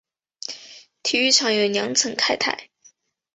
体育场有两层看台。